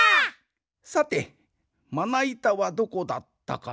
さてまないたはどこだったかな？